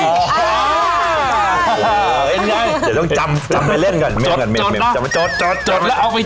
อ๋อเห็นไงจะต้องจำจำไปเล่นก่อนเม็ด